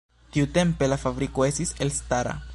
Tiutempe la fabriko estis elstara.